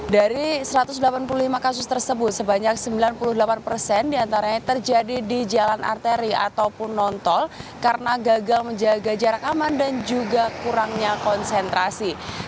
dari satu ratus delapan puluh lima kasus tersebut sebanyak sembilan puluh delapan persen diantaranya terjadi di jalan arteri ataupun non tol karena gagal menjaga jarak aman dan juga kurangnya konsentrasi